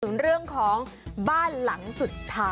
ถึงเรื่องของบ้านหลังสุดท้าย